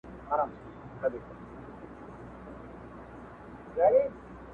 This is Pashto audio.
کرونا نه ده توره بلا ده-